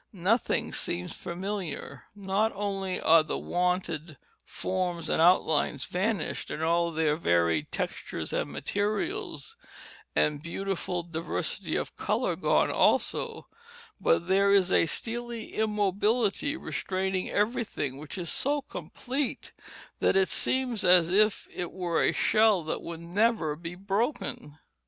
Nothing seems familiar; not only are the wonted forms and outlines vanished, and all their varied textures and materials and beautiful diversity of color gone also, but there is a steely immobility restraining everything which is so complete that it seems as if it were a shell that could never be broken.